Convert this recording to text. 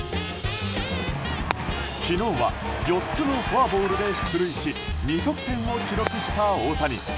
昨日は４つのフォアボールで出塁し２得点を記録した大谷。